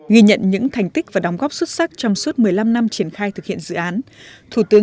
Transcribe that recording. ghi nhận những thành tích và đóng góp xuất sắc trong suốt một mươi năm năm triển khai thực hiện dự án